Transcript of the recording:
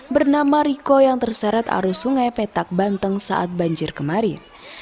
bernama riko yang terseret arus sungai petak banten saat banjir kemarin